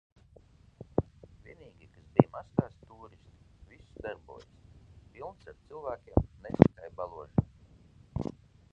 Vienīgie, kas bija maskās – tūristi. Viss darbojas. Pilns ar cilvēkiem, ne tikai baložiem.